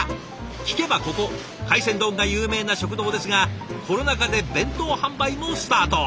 聞けばここ海鮮丼が有名な食堂ですがコロナ禍で弁当販売もスタート。